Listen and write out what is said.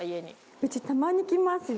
うちたまに来ますよ。